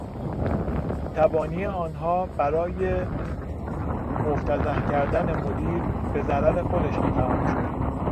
تبانی آنها برای مفتضح کردن مدیر به ضرر خودشان تمام شد.